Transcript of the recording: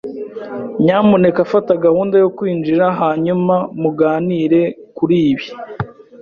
Nyamuneka fata gahunda yo kwinjira hanyuma muganire kuri ibi.